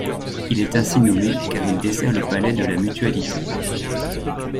Il est ainsi nommé car il dessert le palais de la Mutualité.